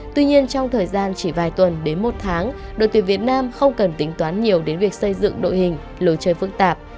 tuy nhiên trong thời gian chỉ vài tuần đến một tháng đội tuyển việt nam không cần tính toán nhiều đến việc xây dựng đội hình lối chơi phức tạp